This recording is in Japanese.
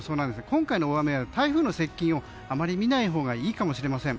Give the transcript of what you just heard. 今回の大雨は台風の接近をあまり見ないほうがいいかもしれません。